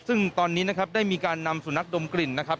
ซึ่งตอนนี้นะครับได้มีการนำสุนัขดมกลิ่นนะครับ